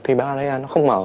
thì barrier nó không mở